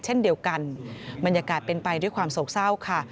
เช่นเดียวกันบรรยากาศเป็นไปด้วยความโศกเศร้าค่ะ